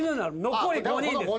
残り５人です。